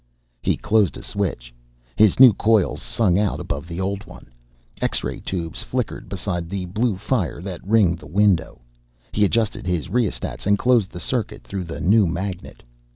He closed a switch. His new coils sung out above the old one. X ray tubes flickered beside the blue fire that ringed the window. He adjusted his rheostats and closed the circuit through the new magnet.